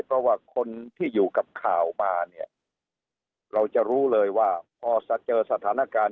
เพราะว่าคนที่อยู่กับข่าวมาเนี่ยเราจะรู้เลยว่าพอเจอสถานการณ์